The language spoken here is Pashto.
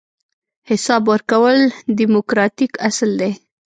حساب ورکول دیموکراتیک اصل دی.